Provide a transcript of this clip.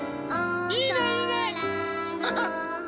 いいねいいね。